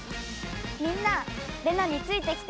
みんなレナについてきてね！